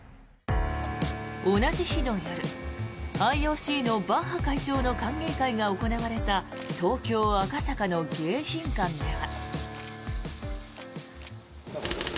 同じ日の夜ＩＯＣのバッハ会長の歓迎会が行われた東京・赤坂の迎賓館では。